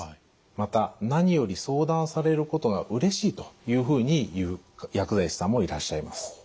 また何より相談されることがうれしいというふうに言う薬剤師さんもいらっしゃいます。